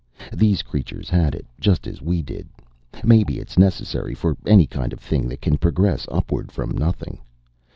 These creatures had it, just as we did. Maybe it's necessary for any kind of thing that can progress upward from nothing.